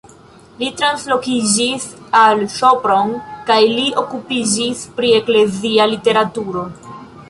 Li translokiĝis al Sopron kaj li okupiĝis pri eklezia literaturo.